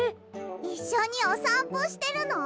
いっしょにおさんぽしてるの？